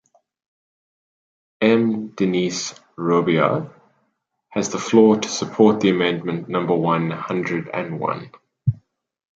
M. Denys Robiliard has the floor to support the amendment number one hundred and one.